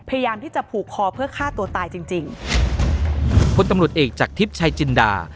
พยายามที่จะผูกคอเพื่อฆ่าตัวตายจริงจริงพลตำรวจเอกจากทิพย์ชายจินดา